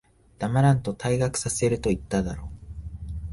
黙らんと、退学させると言っただろ。